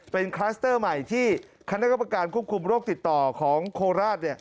เป็นคลัสเตอร์ใหม่ที่คณะกรรมการควบคุมโรคติดต่อของโคราช